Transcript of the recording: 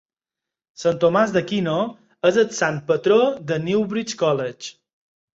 Sant Tomàs d'Aquino és el sant patró del Newbridge College.